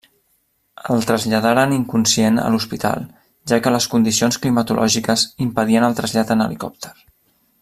El traslladaren inconscient a l'hospital, ja que les condicions climatològiques impedien el trasllat en helicòpter.